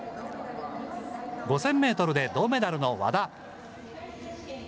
５０００メートルで銅メダルの和田。